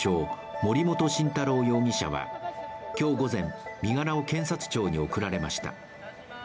森本晋太郎容疑者は今日午前、身柄を検察庁に送られました。